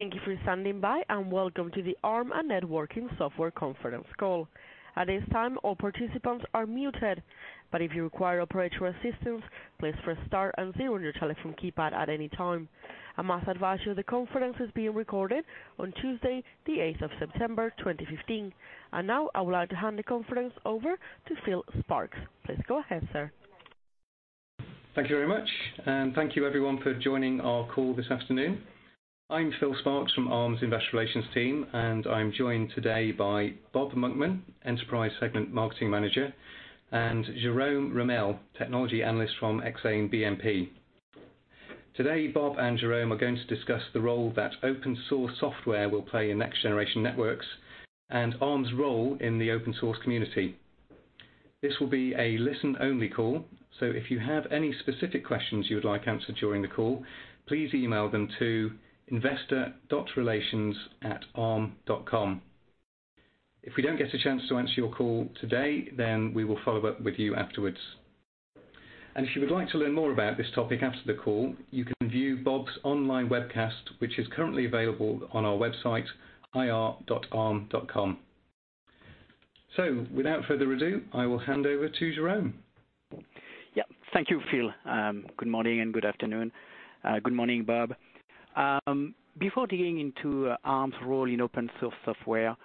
Thank you for standing by, welcome to the Arm and Networking Software conference call. At this time, all participants are muted, but if you require operator assistance, please press star and zero on your telephone keypad at any time. I must advise you, the conference is being recorded on Tuesday, the 8th of September, 2015. Now, I would like to hand the conference over to Philip Sparkes. Please go ahead, sir. Thank you very much, thank you everyone for joining our call this afternoon. I'm Phil Sparkes from Arm's investor relations team, and I'm joined today by Robb Monkman, enterprise segment marketing manager, and Jérôme Ramel, technology analyst from Exane BNP. Today, Robb and Jérôme are going to discuss the role that open-source software will play in next generation networks and Arm's role in the open-source community. This will be a listen-only call, if you have any specific questions you would like answered during the call, please email them to investor.relations@arm.com. If we don't get a chance to answer your call today, we will follow up with you afterwards. If you would like to learn more about this topic after the call, you can view Robb's online webcast, which is currently available on our website, investors.arm.com. Without further ado, I will hand over to Jérôme. Thank you, Phil. Good morning and good afternoon. Good morning, Robb. Before digging into Arm's role in open-source software,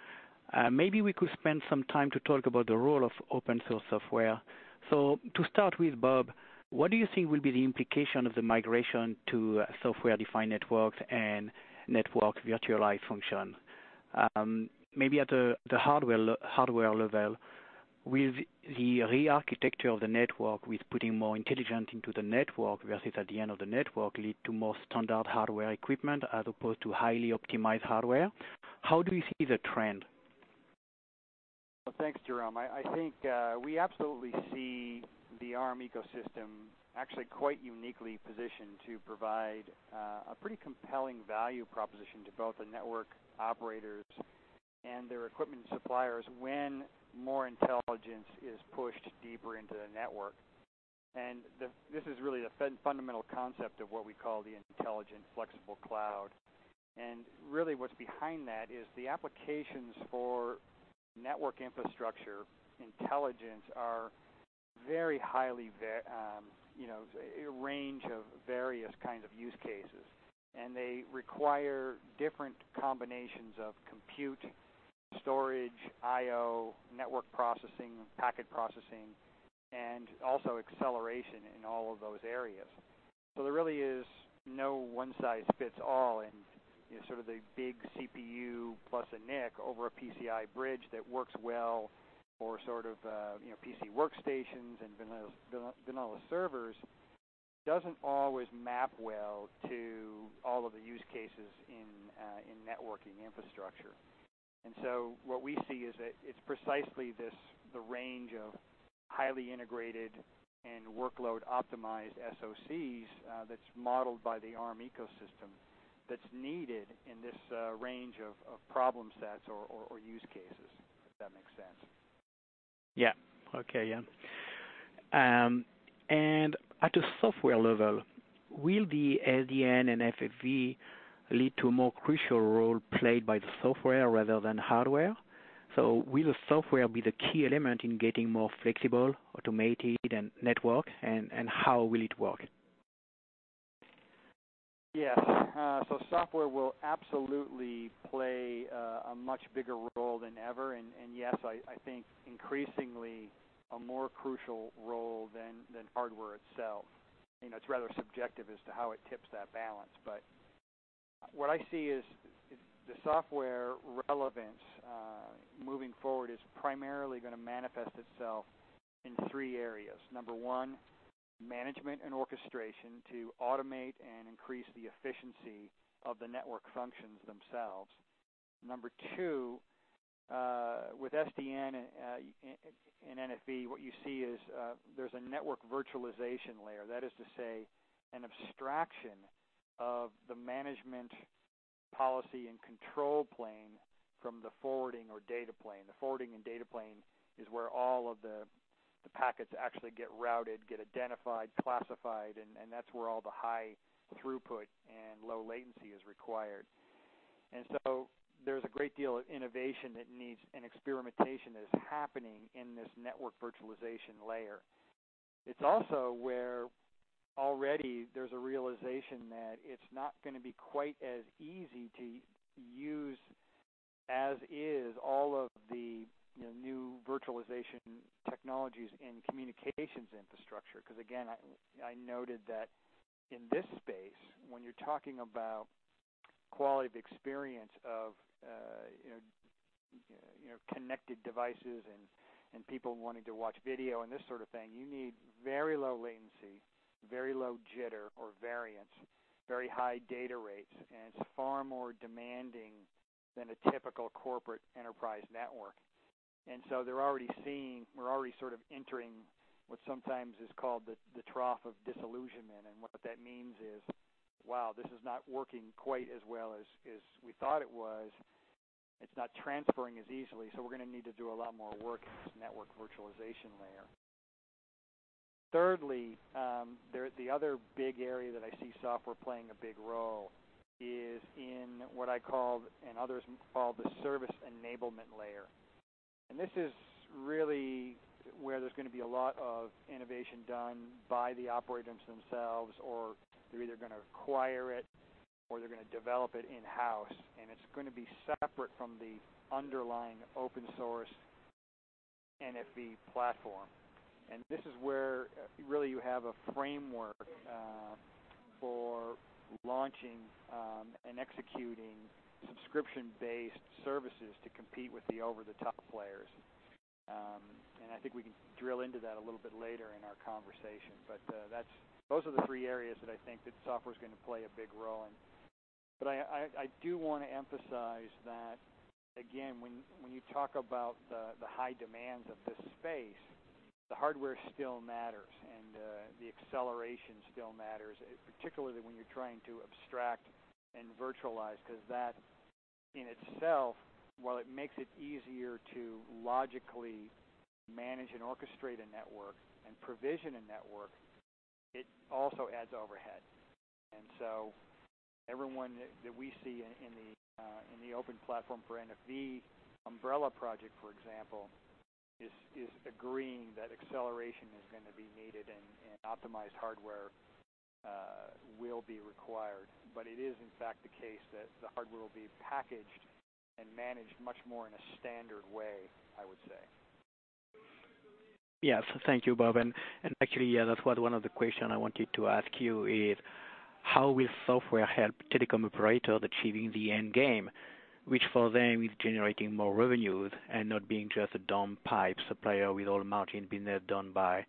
maybe we could spend some time to talk about the role of open-source software. To start with, Robb, what do you think will be the implication of the migration to software-defined networks and network virtualized function? Maybe at the hardware level, will the re-architecture of the network with putting more intelligence into the network versus at the end of the network lead to more standard hardware equipment as opposed to highly optimized hardware? How do you see the trend? Thanks, Jérôme. I think we absolutely see the Arm ecosystem actually quite uniquely positioned to provide a pretty compelling value proposition to both the network operators and their equipment suppliers when more intelligence is pushed deeper into the network. This is really the fundamental concept of what we call the intelligent, flexible cloud. Really what's behind that is the applications for network infrastructure intelligence are very highly, a range of various kinds of use cases. They require different combinations of compute, storage, IO, network processing, packet processing, and also acceleration in all of those areas. There really is no one size fits all in sort of the big CPU plus a NIC over a PCI bridge that works well for PC workstations and vanilla servers, doesn't always map well to all of the use cases in networking infrastructure. What we see is that it's precisely this, the range of highly integrated and workload-optimized SoCs that's modeled by the Arm ecosystem that's needed in this range of problem sets or use cases, if that makes sense. Yeah. Okay. At a software level, will the SDN and NFV lead to a more crucial role played by the software rather than hardware? Will the software be the key element in getting more flexible, automated, and networked, and how will it work? Yeah. Software will absolutely play a much bigger role than ever, and yes, I think increasingly a more crucial role than hardware itself. It's rather subjective as to how it tips that balance. What I see is the software relevance, moving forward, is primarily going to manifest itself in three areas. Number one, management and orchestration to automate and increase the efficiency of the network functions themselves. Number two, with SDN and NFV, what you see is there's a network virtualization layer. That is to say, an abstraction of the management policy and control plane from the forwarding or data plane. The forwarding and data plane is where all of the packets actually get routed, get identified, classified, and that's where all the high throughput and low latency is required. There's a great deal of innovation that needs an experimentation that is happening in this network virtualization layer. It's also where already there's a realization that it's not going to be quite as easy to use as is all of the new virtualization technologies in communications infrastructure. Because again, I noted that in this space, when you're talking about quality of experience of connected devices and people wanting to watch video and this sort of thing, you need very low latency, very low jitter or variance, very high data rates, and it's far more demanding than a typical corporate enterprise network. They're already seeing, we're already sort of entering what sometimes is called the trough of disillusionment, and what that means is, wow, this is not working quite as well as we thought it was. It's not transferring as easily, we're going to need to do a lot more work in this network virtualization layer. Thirdly, the other big area that I see software playing a big role is in what I call, and others call, the service enablement layer. This is really where there's going to be a lot of innovation done by the operators themselves, or they're either going to acquire it or they're going to develop it in-house, and it's going to be separate from the underlying open source NFV platform. This is where really you have a framework for launching and executing subscription-based services to compete with the over-the-top players. I think we can drill into that a little bit later in our conversation. Those are the three areas that I think that software's going to play a big role in. I do want to emphasize that, again, when you talk about the high demands of this space, the hardware still matters and the acceleration still matters, particularly when you're trying to abstract and virtualize, because that in itself, while it makes it easier to logically manage and orchestrate a network and provision a network, it also adds overhead. Everyone that we see in the Open Platform for NFV umbrella project, for example, is agreeing that acceleration is going to be needed and optimized hardware will be required. It is in fact the case that the hardware will be packaged and managed much more in a standard way, I would say. Yes. Thank you, Robb. Actually, that was one of the question I wanted to ask you is, how will software help telecom operator achieving the end game, which for them is generating more revenues and not being just a dumb pipe supplier with all margin being done by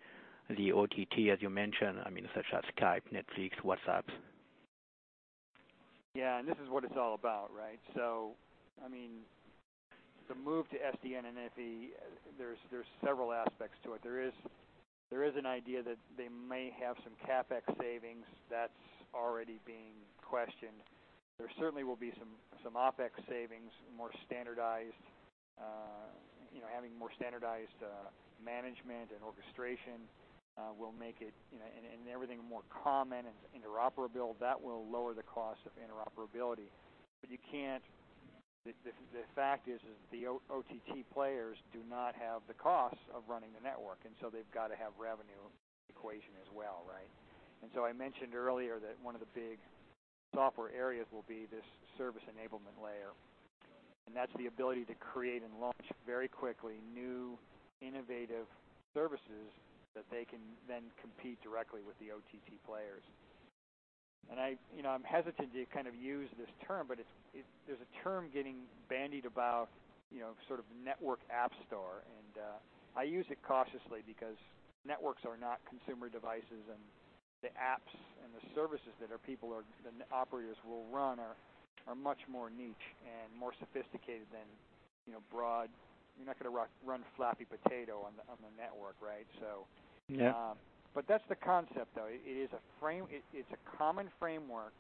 the OTT as you mentioned, I mean, such as Skype, Netflix, WhatsApp? This is what it's all about, right? The move to SDN and NFV, there's several aspects to it. There is an idea that they may have some CapEx savings that's already being questioned. There certainly will be some OpEx savings, more standardized, having more standardized management and orchestration will make it, and everything more common and interoperable. That will lower the cost of interoperability. The fact is, the OTT players do not have the cost of running the network, they've got to have revenue equation as well, right? I mentioned earlier that one of the big software areas will be this service enablement layer, and that's the ability to create and launch very quickly new, innovative services that they can then compete directly with the OTT players. I'm hesitant to kind of use this term, but there's a term getting bandied about, sort of network app store, and I use it cautiously because networks are not consumer devices and the apps and the services that our people or the operators will run are much more niche and more sophisticated than broad. You're not going to run Flappy Potato on the network, right? Yeah. That's the concept, though. It is a common framework,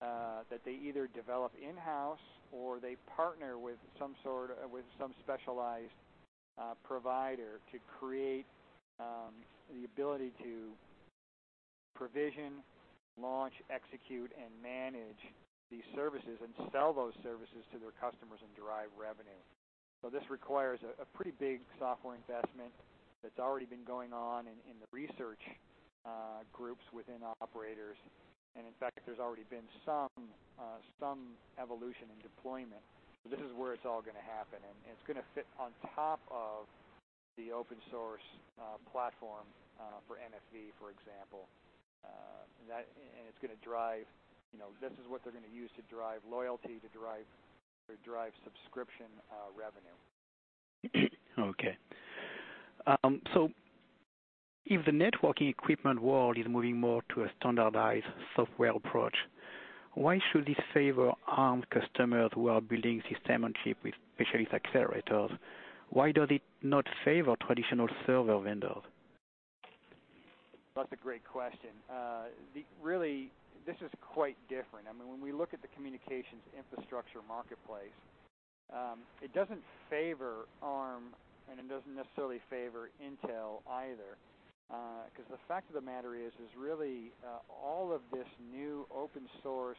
that they either develop in-house or they partner with some specialized provider to create the ability to provision, launch, execute, and manage these services and sell those services to their customers and derive revenue. This requires a pretty big software investment that's already been going on in the research groups within operators. In fact, there's already been some evolution in deployment. This is where it's all going to happen, and it's going to fit on top of the open source platform for NFV, for example. This is what they're going to use to drive loyalty, to drive subscription revenue. Okay. If the networking equipment world is moving more to a standardized software approach, why should this favor Arm customers who are building system on chip with specialized accelerators? Why does it not favor traditional server vendors? That's a great question. Really, this is quite different. I mean, when we look at the communications infrastructure marketplace, it doesn't favor Arm, and it doesn't necessarily favor Intel either. The fact of the matter is, really, all of this new open source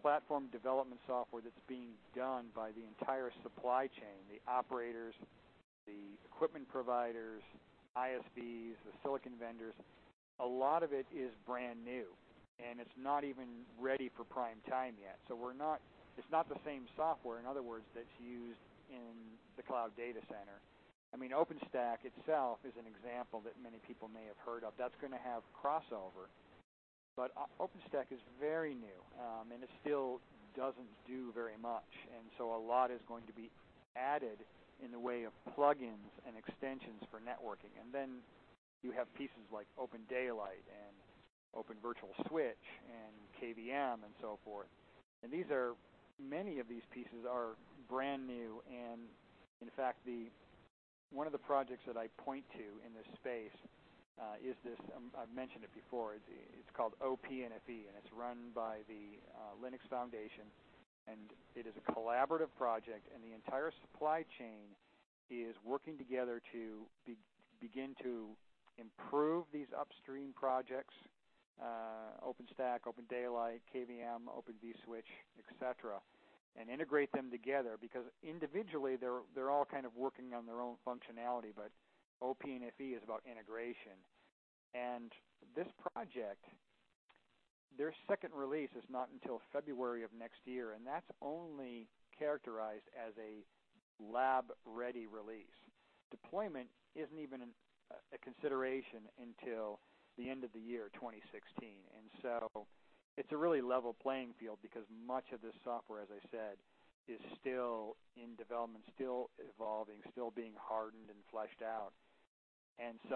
platform development software that's being done by the entire supply chain, the operators, the equipment providers, ISVs, the silicon vendors, a lot of it is brand new, and it's not even ready for prime time yet. It's not the same software, in other words, that's used in the cloud data center. I mean, OpenStack itself is an example that many people may have heard of. That's going to have crossover. OpenStack is very new, and it still doesn't do very much. A lot is going to be added in the way of plug-ins and extensions for networking. Then you have pieces like OpenDaylight and Open vSwitch and KVM and so forth. Many of these pieces are brand new, and in fact, one of the projects that I point to in this space Is this, I've mentioned it before, it's called OPNFV and it's run by the Linux Foundation, and it is a collaborative project, and the entire supply chain is working together to begin to improve these upstream projects, OpenStack, OpenDaylight, KVM, Open vSwitch, et cetera, and integrate them together, because individually they're all kind of working on their own functionality, but OPNFV is about integration. This project, their second release is not until February of next year, and that's only characterized as a lab-ready release. Deployment isn't even a consideration until the end of the year 2016. It's a really level playing field because much of this software, as I said, is still in development, still evolving, still being hardened and fleshed out.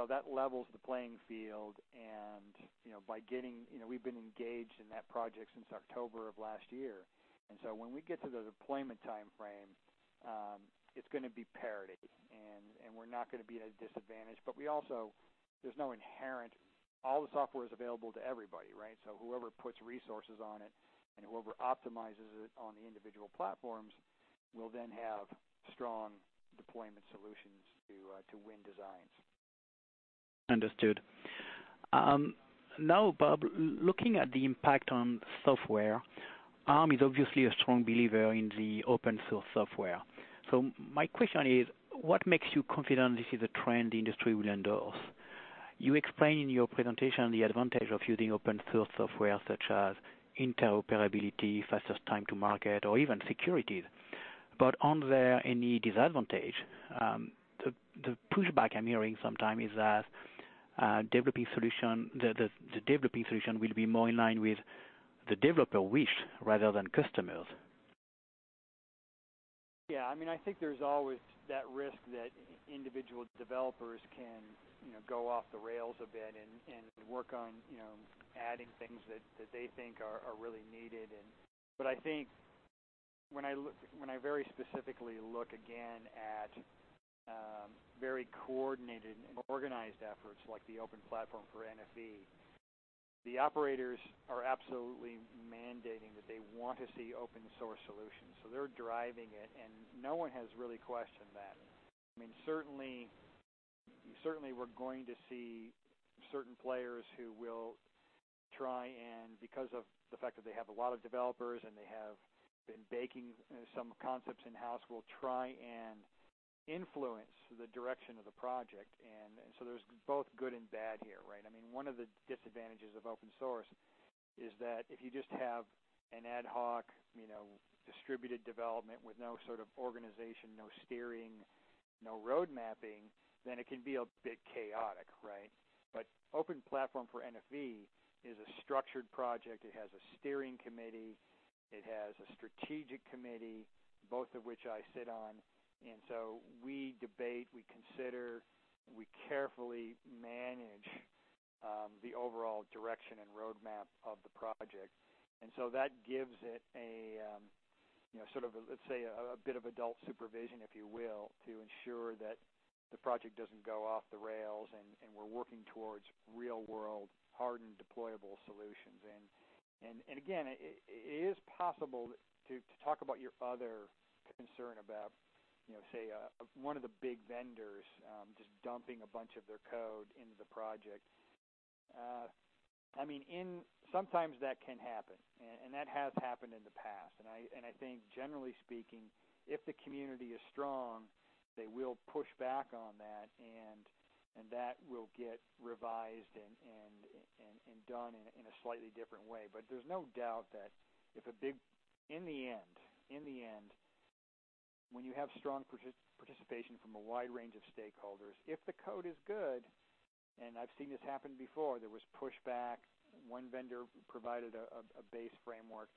That levels the playing field and we've been engaged in that project since October of last year, when we get to the deployment timeframe, it's going to be parity and we're not going to be at a disadvantage. There's no inherent, all the software is available to everybody, right? Whoever puts resources on it and whoever optimizes it on the individual platforms will then have strong deployment solutions to win designs. Understood. Now, Robb, looking at the impact on software, Arm is obviously a strong believer in the open source software. My question is, what makes you confident this is a trend the industry will endorse? You explain in your presentation the advantage of using open source software such as interoperability, faster time to market, or even security. Aren't there any disadvantage? The pushback I'm hearing sometimes is that the developing solution will be more in line with the developer wish rather than customers. Yeah, I think there's always that risk that individual developers can go off the rails a bit and work on adding things that they think are really needed. I think when I very specifically look again at very coordinated and organized efforts like the Open Platform for NFV, the operators are absolutely mandating that they want to see open source solutions. They're driving it and no one has really questioned that. Certainly we're going to see certain players who will try and, because of the fact that they have a lot of developers and they have been baking some concepts in-house, will try and influence the direction of the project. There's both good and bad here, right? One of the disadvantages of open source is that if you just have an ad hoc distributed development with no sort of organization, no steering, no road mapping, then it can be a bit chaotic, right? Open Platform for NFV is a structured project. It has a steering committee, it has a strategic committee, both of which I sit on. We debate, we consider, we carefully manage the overall direction and roadmap of the project. That gives it a sort of, let's say, a bit of adult supervision, if you will, to ensure that the project doesn't go off the rails and we're working towards real-world hardened deployable solutions. Again, it is possible to talk about your other concern about, say, one of the big vendors just dumping a bunch of their code into the project. Sometimes that can happen, and that has happened in the past. I think generally speaking, if the community is strong, they will push back on that and that will get revised and done in a slightly different way. There's no doubt that in the end, when you have strong participation from a wide range of stakeholders, if the code is good, and I've seen this happen before, there was pushback. One vendor provided a base framework,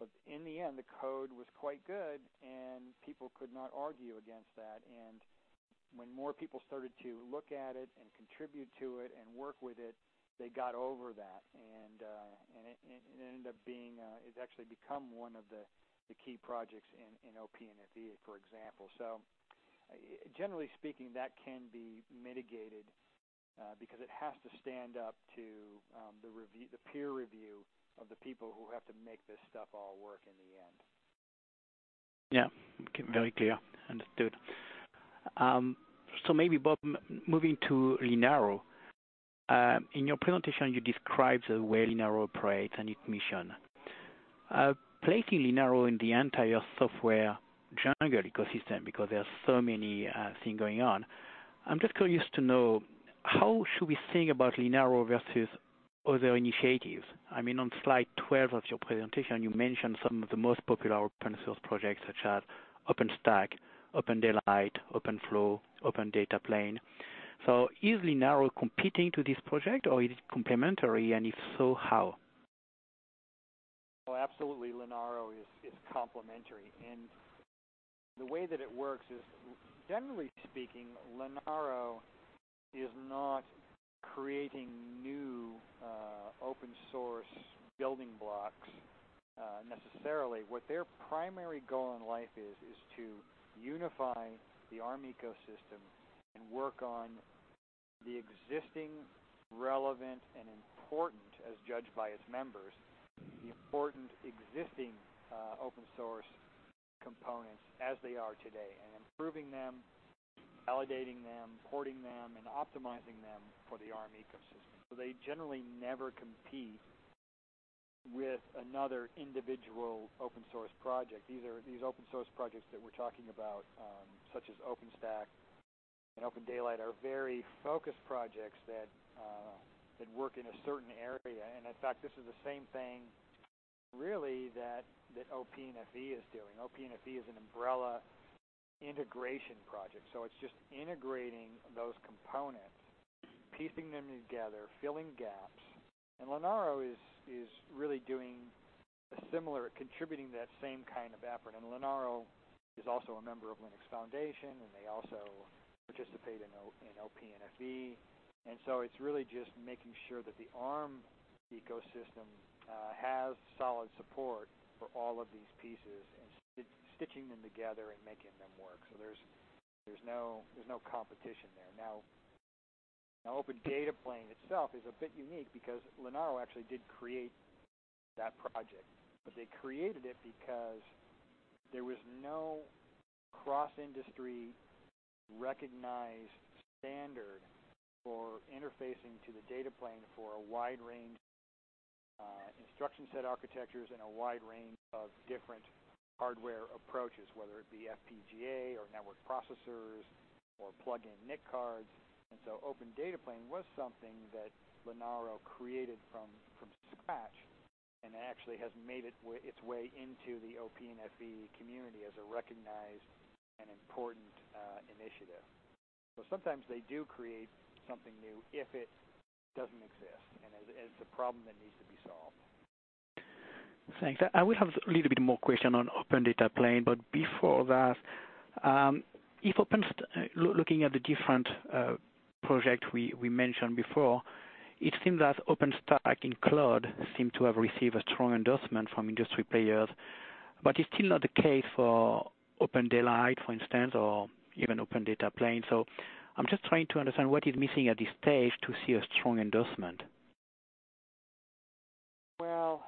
but in the end, the code was quite good and people could not argue against that. When more people started to look at it and contribute to it and work with it, they got over that and it ended up being, it's actually become one of the key projects in OPNFV, for example. Generally speaking, that can be mitigated, because it has to stand up to the peer review of the people who have to make this stuff all work in the end. Yeah. Very clear. Understood. Maybe, Robb, moving to Linaro. In your presentation, you described the way Linaro operates and its mission. Placing Linaro in the entire software jungle ecosystem, because there are so many things going on, I'm just curious to know how should we think about Linaro versus other initiatives? On slide 12 of your presentation, you mentioned some of the most popular open source projects such as OpenStack, OpenDaylight, OpenFlow, OpenDataPlane. Is Linaro competing to this project, or is it complementary, and if so, how? Oh, absolutely, Linaro is complementary. The way that it works is, generally speaking, Linaro is not creating new open-source building blocks necessarily. What their primary goal in life is to unify the Arm ecosystem and work on the existing relevant and important, as judged by its members, the important existing open source components as they are today, and improving them, validating them, porting them, and optimizing them for the Arm ecosystem. They generally never compete with another individual open source project. These open source projects that we're talking about, such as OpenStack and OpenDaylight, are very focused projects that work in a certain area. In fact, this is the same thing really that OPNFV is doing. OPNFV is an umbrella integration project. It's just integrating those components, piecing them together, filling gaps. Linaro is really doing a similar, contributing that same kind of effort. Linaro is also a member of Linux Foundation, and they also participate in OPNFV. It's really just making sure that the Arm ecosystem has solid support for all of these pieces, and stitching them together and making them work. There's no competition there. Now, OpenDataPlane itself is a bit unique because Linaro actually did create that project. They created it because there was no cross-industry recognized standard for interfacing to the data plane for a wide range of instruction set architectures and a wide range of different hardware approaches, whether it be FPGA or network processors or plug-in NIC cards. OpenDataPlane was something that Linaro created from scratch and actually has made its way into the OPNFV community as a recognized and important initiative. Sometimes they do create something new if it doesn't exist and it's a problem that needs to be solved. Thanks. I will have a little bit more question on OpenDataPlane, but before that, looking at the different project we mentioned before, it seems that OpenStack in cloud seem to have received a strong endorsement from industry players, but it's still not the case for OpenDaylight, for instance, or even OpenDataPlane. I'm just trying to understand what is missing at this stage to see a strong endorsement? Well,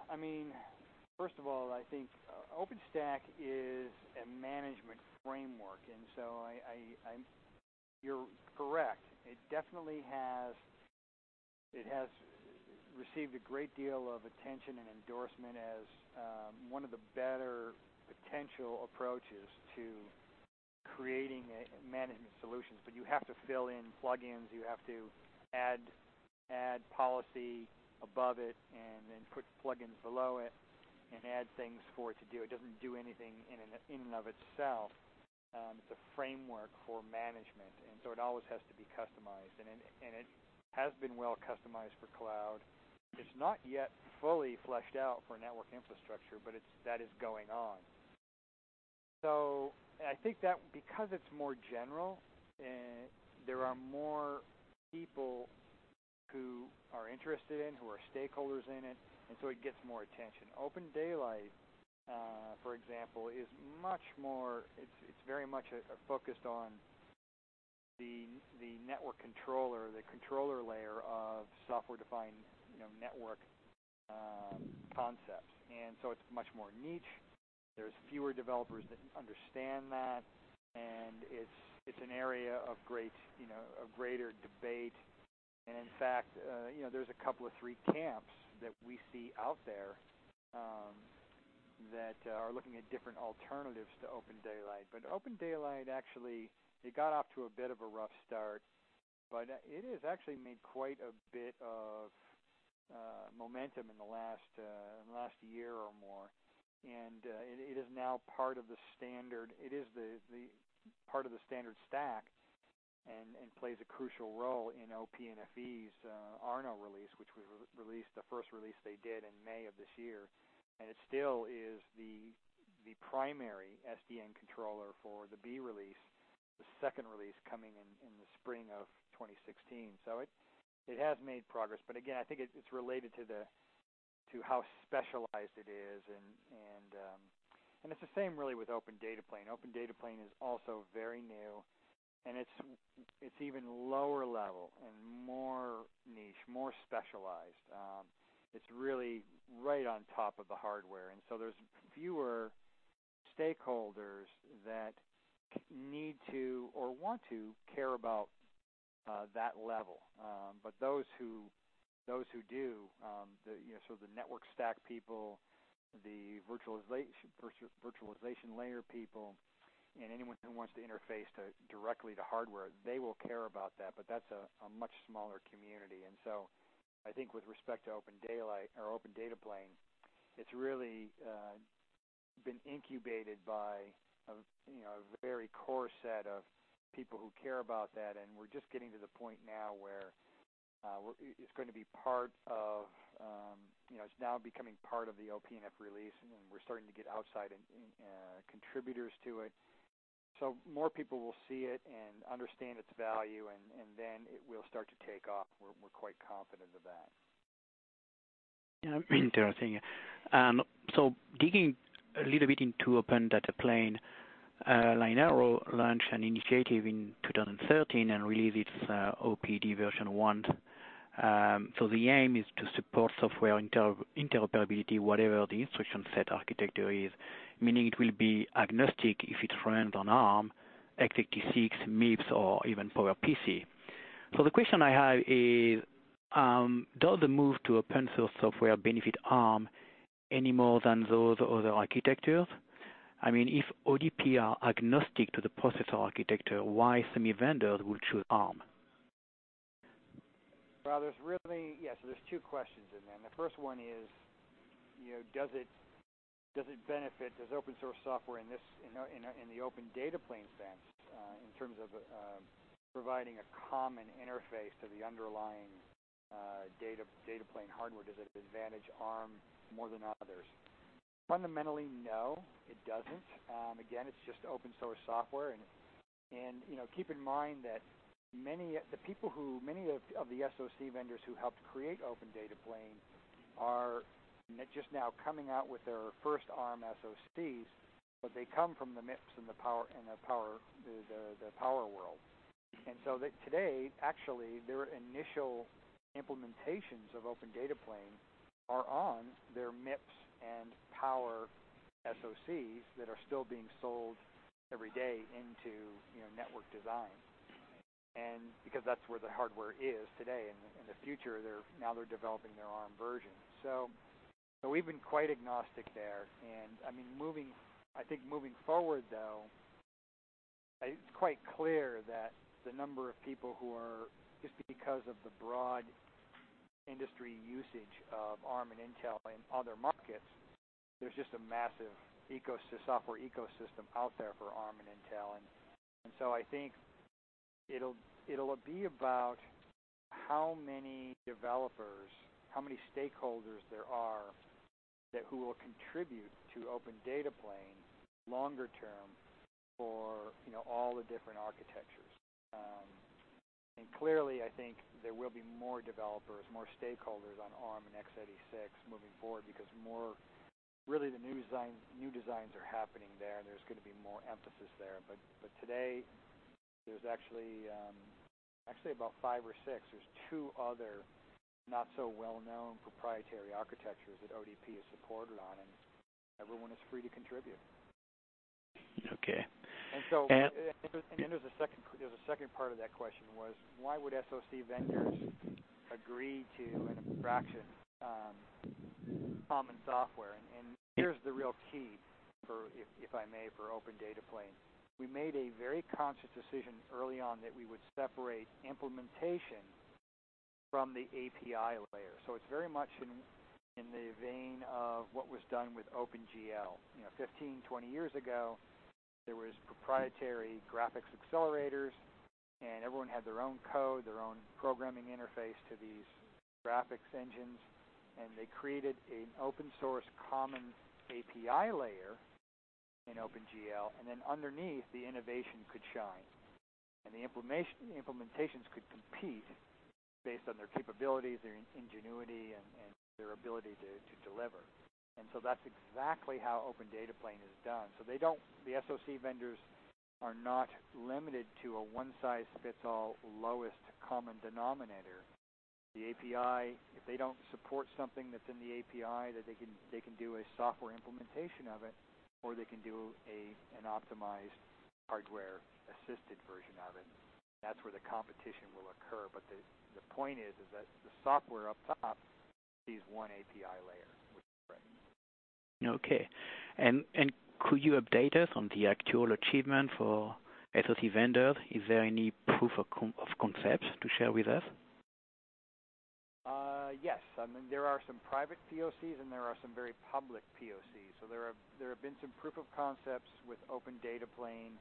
first of all, I think OpenStack is a management framework, you're correct. It definitely has received a great deal of attention and endorsement as one of the better potential approaches to creating a management solution. You have to fill in plug-ins, you have to add policy above it then put plug-ins below it and add things for it to do. It doesn't do anything in and of itself. It's a framework for management, it always has to be customized. It has been well customized for cloud. It's not yet fully fleshed out for network infrastructure, but that is going on. I think that because it's more general, there are more people who are interested in, who are stakeholders in it gets more attention. OpenDaylight, for example, it's very much focused on the network controller, the controller layer of software-defined network concepts. It's much more niche. There's fewer developers that understand that, it's an area of greater debate. In fact, there's a couple of three camps that we see out there, that are looking at different alternatives to OpenDaylight. OpenDaylight actually got off to a bit of a rough start, but it has actually made quite a bit of momentum in the last year or more. It is now part of the standard stack and plays a crucial role in OPNFV's Arno release, which was the first release they did in May of this year. It still is the primary SDN controller for the B release, the second release coming in the spring of 2016. It has made progress. Again, I think it's related to how specialized it is, it's the same really with OpenDataPlane. OpenDataPlane is also very new, it's even lower level and more niche, more specialized. It's really right on top of the hardware, there's fewer stakeholders that need to or want to care about that level. Those who do, so the network stack people, the virtualization layer people, anyone who wants to interface directly to hardware, they will care about that. That's a much smaller community. I think with respect to OpenDataPlane, it's really been incubated by a very core set of people who care about that, we're just getting to the point now where it's now becoming part of the OPNFV release, we're starting to get outside contributors to it. More people will see it understand its value, it will start to take off. We're quite confident of that. Yeah. Interesting. Digging a little bit into OpenDataPlane, Linaro launched an initiative in 2013 and released its ODP version one. The aim is to support software interoperability, whatever the instruction set architecture is, meaning it will be agnostic if it's run on Arm, x86, MIPS, or even PowerPC. The question I have is, does the move to open source software benefit Arm any more than those other architectures? If ODP are agnostic to the processor architecture, why semi vendors would choose Arm? There's two questions in there, and the first one is, does open source software in the OpenDataPlane sense, in terms of providing a common interface to the underlying data plane hardware, does it advantage Arm more than others? Fundamentally, no, it doesn't. Again, it's just open source software. Keep in mind that many of the SoC vendors who helped create OpenDataPlane are just now coming out with their first Arm SoCs, but they come from the MIPS and the Power world. Today, actually, their initial implementations of OpenDataPlane are on their MIPS and Power SoCs that are still being sold every day into network design, because that's where the hardware is today. In the future, now they're developing their Arm version. We've been quite agnostic there, I think moving forward, though, it's quite clear that the number of people who are, just because of the broad industry usage of Arm and Intel in other markets, there's just a massive software ecosystem out there for Arm and Intel. I think it'll be about how many developers, how many stakeholders there are who will contribute to OpenDataPlane longer term for all the different architectures. Clearly, I think there will be more developers, more stakeholders on Arm and x86 moving forward because really the new designs are happening there's going to be more emphasis there. Today there's actually about five or six. There's two other not-so-well-known proprietary architectures that ODP is supported on, everyone is free to contribute. Okay. There's a second part of that question was why would SoC vendors agree to an abstraction common software? Here's the real key, if I may, for OpenDataPlane. We made a very conscious decision early on that we would separate implementation from the API layer. It's very much in the vein of what was done with OpenGL. 15, 20 years ago, there was proprietary graphics accelerators, and everyone had their own code, their own programming interface to these graphics engines, and they created an open source common API layer in OpenGL, and then underneath, the innovation could shine, and the implementations could compete based on their capabilities, their ingenuity, and their ability to deliver. That's exactly how OpenDataPlane is done. The SoC vendors are not limited to a one-size-fits-all lowest common denominator. The API, if they don't support something that's in the API, they can do a software implementation of it, or they can do an optimized hardware-assisted version of it. That's where the competition will occur. The point is that the software up top sees one API layer, which is great. Could you update us on the actual achievement for SoC vendors? Is there any proof of concepts to share with us? Yes. There are some private POCs, and there are some very public POCs. There have been some proof of concepts with OpenDataPlane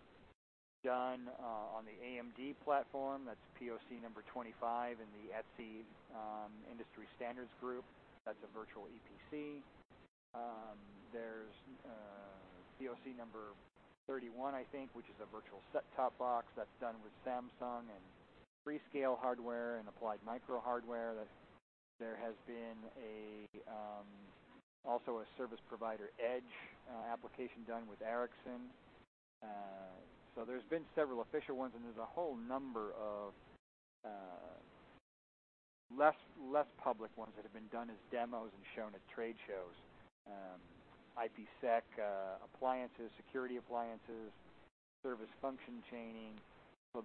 done on the AMD platform. That's POC number 25 in the ETSI industry standards group. That's a virtual EPC. There's POC number 31, I think, which is a virtual set-top box that's done with Samsung and Freescale hardware and Applied Micro hardware. There has been also a service provider edge application done with Ericsson. There's been several official ones, and there's a whole number of less public ones that have been done as demos and shown at trade shows. IPsec appliances, security appliances, service function chaining.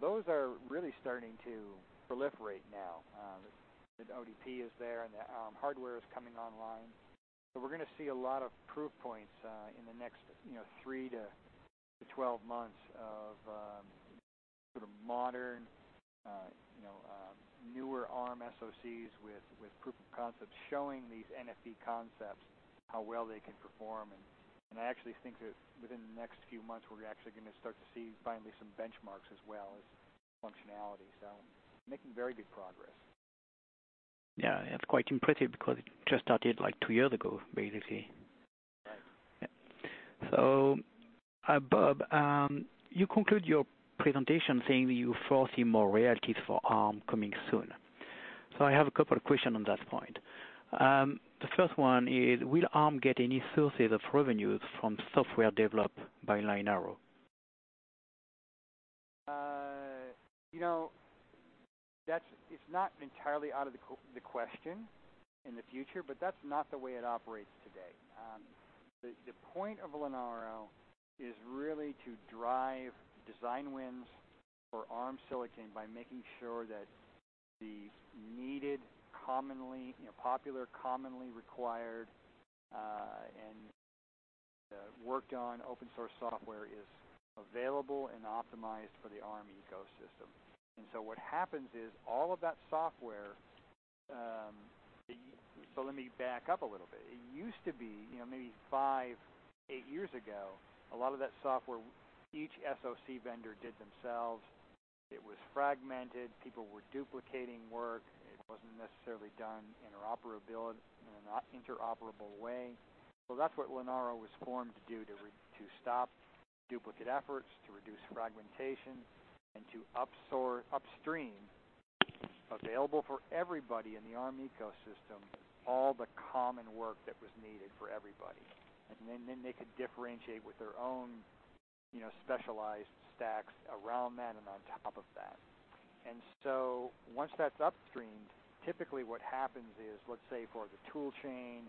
Those are really starting to proliferate now that ODP is there and the Arm hardware is coming online. We're going to see a lot of proof points in the next 3 to 12 months of sort of modern, newer Arm SoCs with proof of concepts showing these NFV concepts, how well they can perform, and I actually think that within the next few months, we're actually going to start to see finally some benchmarks as well as functionality. Making very good progress. Yeah, it's quite impressive because it just started two years ago, basically. Right. Yeah. Robb, you conclude your presentation saying that you foresee more royalties for Arm coming soon. I have a couple of questions on that point. The first one is, will Arm get any sources of revenues from software developed by Linaro? It's not entirely out of the question in the future, but that's not the way it operates today. The point of Linaro is really to drive design wins for Arm silicon by making sure that the needed, popular, commonly required, and worked-on open source software is available and optimized for the Arm ecosystem. What happens is all of that software. Let me back up a little bit. It used to be, maybe five, eight years ago, a lot of that software, each SoC vendor did themselves. It was fragmented. People were duplicating work. It wasn't necessarily done in an interoperable way. That's what Linaro was formed to do, to stop duplicate efforts, to reduce fragmentation, and to upsource upstream, available for everybody in the Arm ecosystem, all the common work that was needed for everybody. They could differentiate with their own specialized stacks around that and on top of that. Once that's upstreamed, typically what happens is, let's say for the tool chain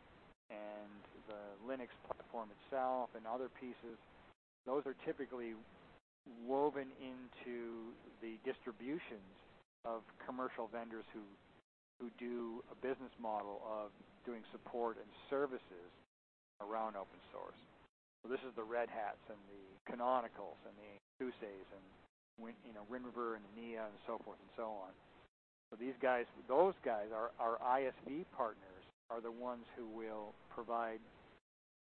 and the Linux platform itself and other pieces, those are typically woven into the distributions of commercial vendors who do a business model of doing support and services around open source. This is the Red Hats and the Canonicals and the SUSEs and Wind River and Enea and so forth and so on. Those guys, our ISV partners, are the ones who will provide.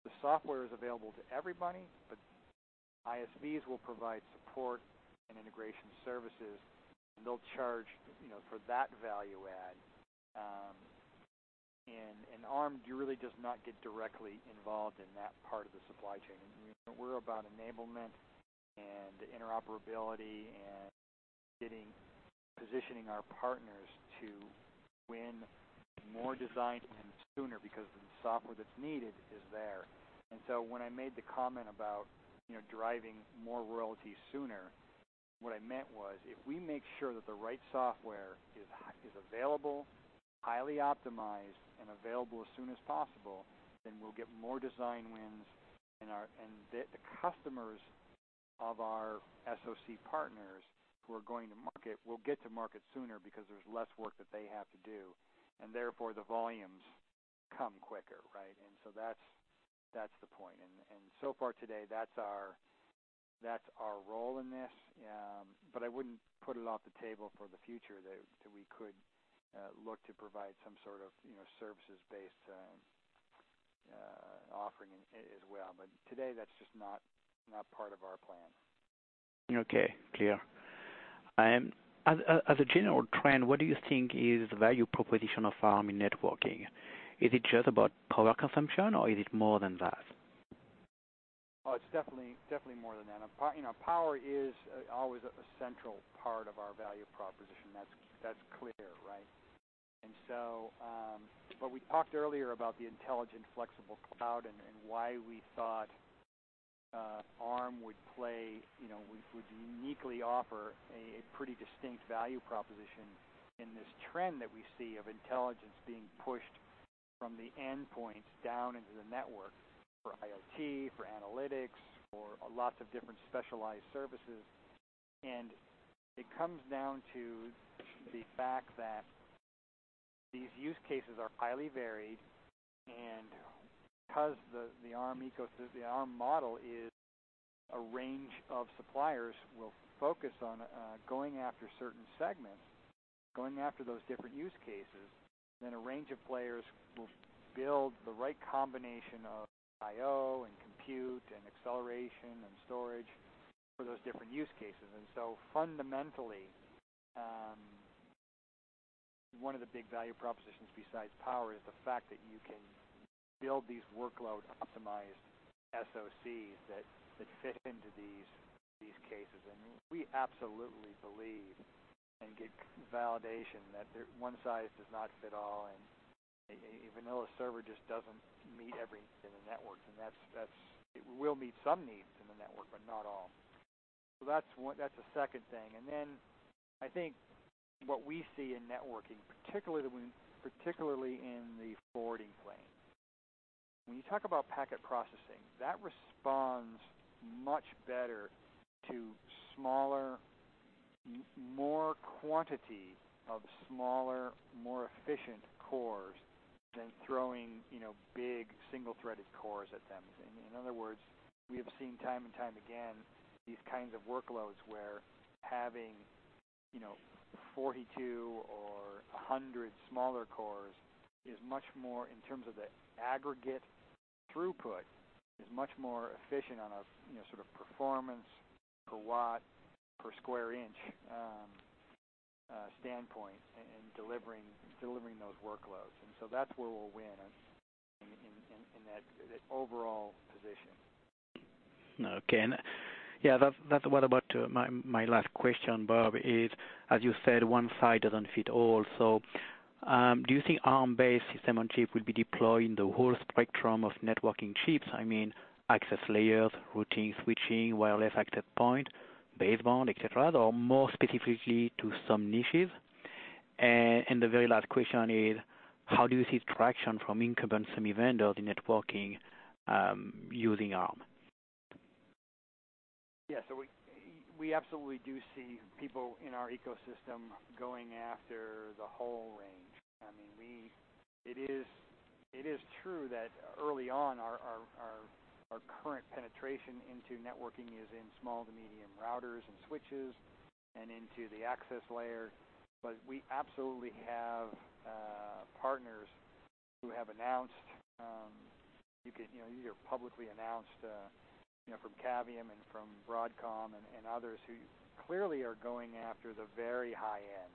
The software is available to everybody, but ISVs will provide support and integration services, and they'll charge for that value add. Arm really does not get directly involved in that part of the supply chain. We're about enablement and interoperability and positioning our partners to win more design and sooner because the software that's needed is there. When I made the comment about driving more royalties sooner, what I meant was, if we make sure that the right software is available, highly optimized, and available as soon as possible, then we'll get more design wins. The customers of our SoC partners who are going to market will get to market sooner because there's less work that they have to do, and therefore, the volumes come quicker. That's the point. So far today, that's our role in this. I wouldn't put it off the table for the future that we could look to provide some sort of services-based offering as well. Today, that's just not part of our plan. Okay, clear. As a general trend, what do you think is the value proposition of Arm in networking? Is it just about power consumption, or is it more than that? It's definitely more than that. Power is always a central part of our value proposition. That's clear. We talked earlier about the intelligent, flexible cloud and why we thought Arm would uniquely offer a pretty distinct value proposition in this trend that we see of intelligence being pushed from the endpoints down into the network for IoT, for analytics, for lots of different specialized services. It comes down to the fact that these use cases are highly varied, and because the Arm model is a range of suppliers will focus on going after certain segments, going after those different use cases, then a range of players will build the right combination of IO and compute and acceleration and storage for those different use cases. Fundamentally, one of the big value propositions besides power is the fact that you can build these workload-optimized SoCs that fit into these cases. We absolutely believe and get validation that one size does not fit all, and a vanilla server just doesn't meet everything in the networks. It will meet some needs in the network, but not all. That's a second thing. I think what we see in networking, particularly in the forwarding plane, when you talk about packet processing, that responds much better to more quantity of smaller, more efficient cores than throwing big single-threaded cores at them. In other words, we have seen time and time again these kinds of workloads where having 42 or 100 smaller cores is much more efficient on a sort of performance per watt, per square inch standpoint in delivering those workloads. That's where we'll win in that overall position. Okay. Yeah, that's what about my last question, Robb, is, as you said, one size doesn't fit all. Do you think Arm-based System on Chip will be deployed in the whole spectrum of networking chips? I mean, access layers, routing, switching, wireless access point, baseband, et cetera, or more specifically to some niches? The very last question is, how do you see traction from incumbent semi vendors in networking, using Arm? Yeah, we absolutely do see people in our ecosystem going after the whole range. It is true that early on, our current penetration into networking is in small to medium routers and switches and into the access layer. We absolutely have partners who have either publicly announced from Cavium and from Broadcom and others who clearly are going after the very high end,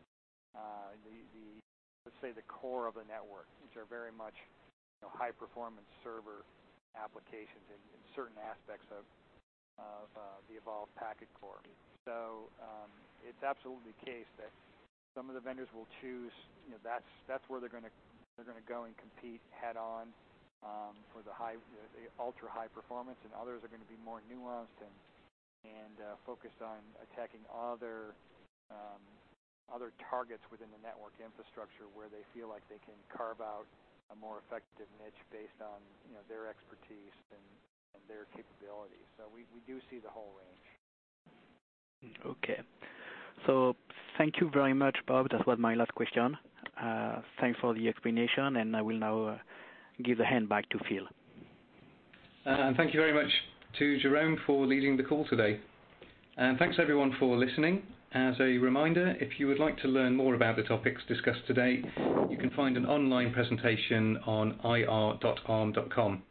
let's say the core of the network, which are very much high performance server applications in certain aspects of the Evolved Packet Core. It's absolutely the case that some of the vendors will choose, that's where they're going to go and compete head on for the ultra-high performance, and others are going to be more nuanced and focused on attacking other targets within the network infrastructure where they feel like they can carve out a more effective niche based on their expertise and their capabilities. We do see the whole range. Okay. Thank you very much, Robb. That was my last question. Thanks for the explanation. I will now give the hand back to Phil. Thank you very much to Jérôme for leading the call today. Thanks everyone for listening. As a reminder, if you would like to learn more about the topics discussed today, you can find an online presentation on investors.arm.com.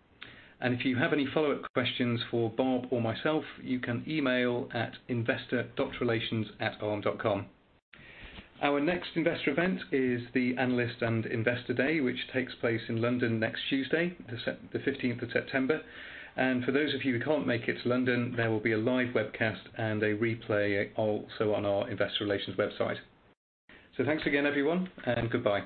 If you have any follow-up questions for Robb or myself, you can email at investor.relations@arm.com. Our next investor event is the Analyst and Investor Day, which takes place in London next Tuesday, the 15th of September. For those of you who can't make it to London, there will be a live webcast and a replay also on our investor relations website. Thanks again everyone, and goodbye.